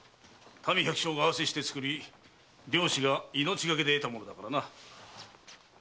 民百姓が汗して作り漁師が命がけで得た物だからな。